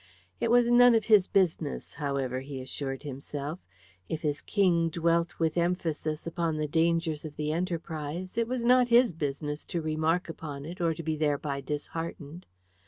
It was none of his business, however, he assured himself. If his King dwelt with emphasis upon the dangers of the enterprise, it was not his business to remark upon it or to be thereby disheartened.